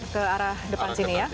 ke arah depan sini ya